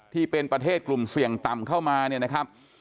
ที่เป็นประเทศกลุ่มเสี่ยงต่ำเข้ามาเนี่ยนะครับ